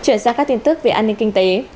chuyển sang các tin tức về an ninh kinh tế